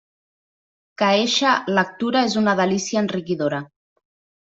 Que eixa lectura és una delícia enriquidora.